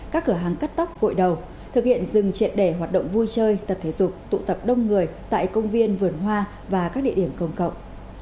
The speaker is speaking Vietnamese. các cửa hàng cắt tóc vội đầu thực hiện dừng triệt để hoạt động vui chơi tập thể dục tụ tập đông người tại công viên vườn hoa và các địa điểm công cộng